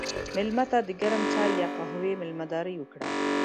مېلمه ته د ګرم چای یا قهوې میلمهداري وکړه.